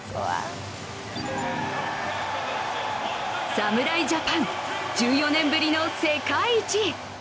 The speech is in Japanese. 侍ジャパン、１４年ぶりの世界一。